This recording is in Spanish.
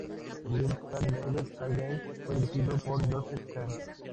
El video musical de "Never again" fue dirigido por Joseph Kahn.